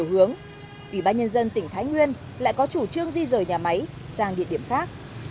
ủy ban nhân dân tỉnh thái nguyên lại có chủ trương di rời nhà máy sang địa điểm khác